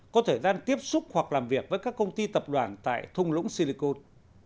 có thời gian tiếp xúc hoặc làm việc với các công ty tập đoàn tại thung lũng silicon